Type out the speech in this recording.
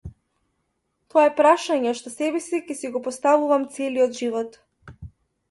Тоа е прашање што себеси ќе си го поставуваме целиот живот.